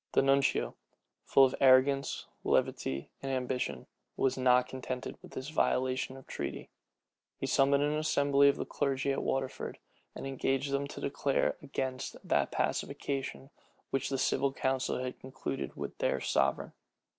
The nuncio, full of arrogance, levity, and ambition, was not contented with this violation of treaty. He summoned an assembly of the clergy at Waterford, and engaged them to declare against that pacification which the civil council had concluded with their sovereign.